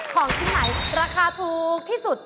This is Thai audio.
ของที่ไหนราคาถูกที่สุด